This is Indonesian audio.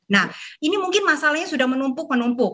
nah ini mungkin masalahnya sudah menumpuk menumpuk